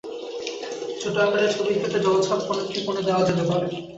ছোট আকারের ছবির ক্ষেত্রে জলছাপ কোনো একটি কোণে দেওয়া যেতে পারে।